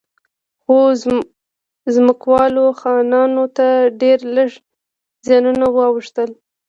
خو ځمکوالو خانانو ته ډېر لږ زیانونه واوښتل.